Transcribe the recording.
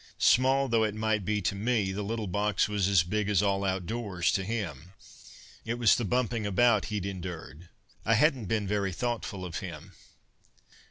Small though it might be to me, the little box was as big as all outdoors to him. It was the bumping about he'd endured; I hadn't been very thoughtful of him.